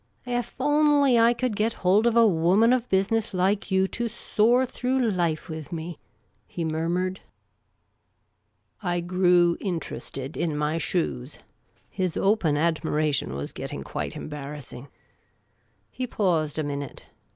" Ef only I could get hold of a woman of business like you to soar through life with me," he murmured. I grew interested in my shoes. His open admiration was getting quite embarrassing. He paused a minute.